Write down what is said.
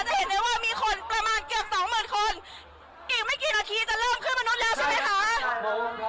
จะเห็นได้ว่ามีคนประมาณเกือบสองหมื่นคนอีกไม่กี่นาทีจะเริ่มขึ้นมนุษย์แล้วใช่ไหมคะ